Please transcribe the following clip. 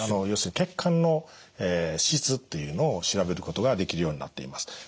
要するに血管の質っていうのを調べることができるようになっています。